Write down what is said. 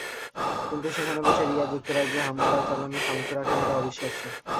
কিন্তু সেখানে বসে রিয়াদ যুক্তরাজ্যে হামলা চালানোর সামর্থ্য রাখেন, এটা অবিশ্বাস্য।